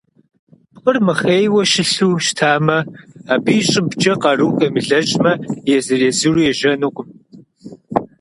Пкъыр мыхъейуэ щылъу щытмэ, абы и щӏыбкӏэ къару къемылэжьмэ, езыр-езыру ежьэнукъым.